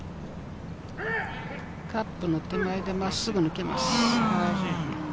カップの手前で真っすぐ抜けます。